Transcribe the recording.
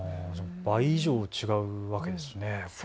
倍以上違うわけですね。